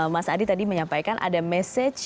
mas adi tadi menyampaikan ada message